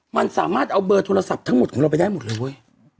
มันสามารถเอาเบอร์โทรศัพท์ทั้งหมดของเราไปได้หมดเลยเว้ย